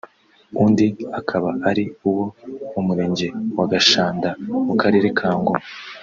undi akaba ari uwo mu Murenge wa Gashanda mu Karere ka Ngoma